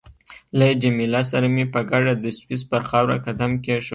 له جميله سره مې په ګډه د سویس پر خاوره قدم کېښود.